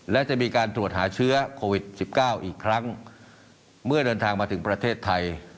และจะมีการตรวจหาเชื้อโควิดสิบเก้าอีกครั้งเมื่อเดินทางมาถึงประเทศไทย